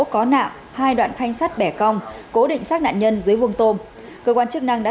có nạ hai đoạn thanh sắt bẻ cong cố định sát nạn nhân dưới vuông tôm cơ quan chức năng đã